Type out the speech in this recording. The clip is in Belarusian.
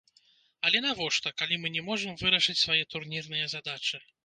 Але навошта, калі мы не можам вырашыць свае турнірныя задачы.